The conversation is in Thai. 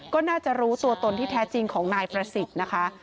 ก็น่าจะรู้ตัวตนที่แท้จริงของนายประสิทธิ์นะคะ